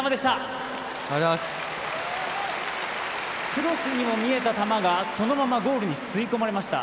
クロスにも見えた球が、そのままゴールに吸い込まれました